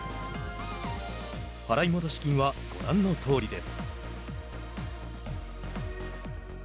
払戻金はご覧のとおりです。